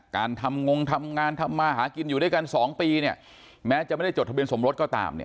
การทำงงทำงานทำมาหากินอยู่ด้วยกัน๒ปีเนี่ยแม้จะไม่ได้จดทะเบียนสมรสก็ตามเนี่ย